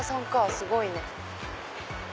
すごいね。